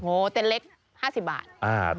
โหเตนต์เล็ก๕๐บาท